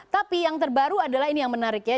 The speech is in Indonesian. tapi yang terbaru adalah ini yang menarik ya